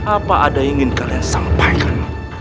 apa ada yang ingin kalian sampaikan